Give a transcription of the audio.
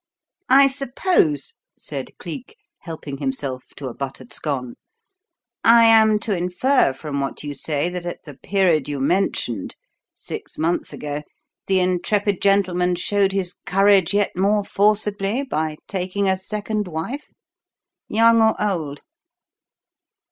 "I suppose," said Cleek, helping himself to a buttered scone, "I am to infer from what you say that at the period you mentioned, six months ago, the intrepid gentleman showed his courage yet more forcibly by taking a second wife? Young or old?"